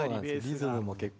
リズムも結構。